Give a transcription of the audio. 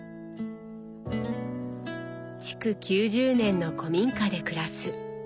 築９０年の古民家で暮らす。